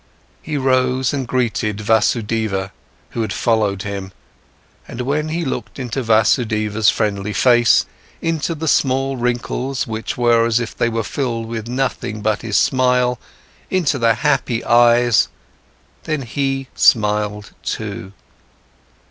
He rose and greeted Vasudeva, who had followed him. And when he looked into Vasudeva's friendly face, into the small wrinkles, which were as if they were filled with nothing but his smile, into the happy eyes, then he smiled too.